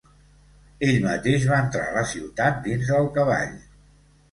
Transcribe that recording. Ell mateix va entrar a la ciutat dins del cavall.